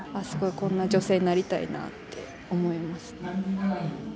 すごいこんな女性になりたいなって思います。